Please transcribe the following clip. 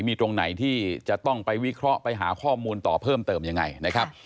มีตรงไหนที่จะต้องไปวิเคราะห์ไปหาข้อมูลต่อเพิ่มเติมยังไงนะครับ